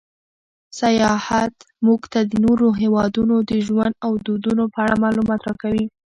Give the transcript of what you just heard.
سیاحت موږ ته د نورو هېوادونو د ژوند او دودونو په اړه معلومات راکوي.